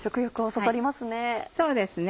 そうですね。